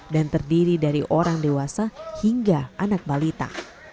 dan terdiri dari orang dewasa hingga anak balita